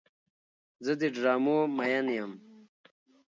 زه د ډرامو مین یم.